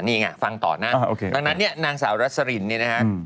นี่ไงฟังต่อนะดังนั้นเนี่ยนางสาวรัสรินเนี่ยนะฮะ